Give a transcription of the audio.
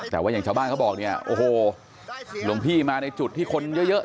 แต่ว่าอย่างชาวบ้านเขาบอกเนี่ยโอ้โหหลวงพี่มาในจุดที่คนเยอะเยอะ